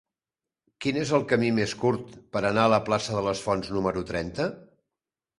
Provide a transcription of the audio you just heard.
Quin és el camí més curt per anar a la plaça de les Fonts número trenta?